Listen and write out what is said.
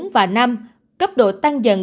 bốn và năm cấp độ tăng dần